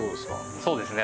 そうですね。